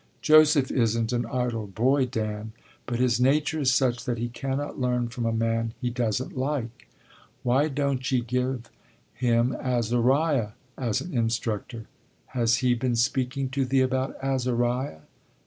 Joseph isn't an idle boy, Dan, but his nature is such that he cannot learn from a man he doesn't like. Why don't ye give him Azariah as an instructor? Has he been speaking to thee about Azariah?